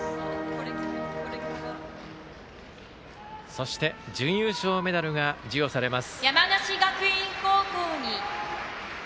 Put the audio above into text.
そして、準優勝メダルが授与されます。